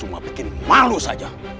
cuma bikin malu saja